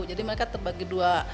jadi mereka terbagi dua